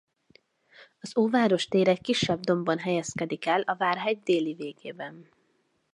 Az Óváros tér egy kisebb dombon helyezkedik el a várhegy déli végében.